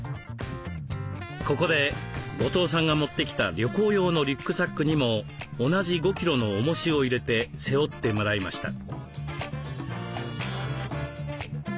ここで後藤さんが持ってきた旅行用のリュックサックにも同じ５キロのおもしを入れて背負ってもらいました。